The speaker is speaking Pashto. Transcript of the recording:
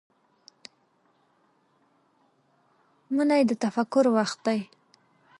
منی د تفکر وخت دی